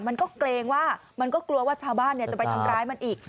เกรงว่ามันก็กลัวว่าชาวบ้านจะไปทำร้ายมันอีก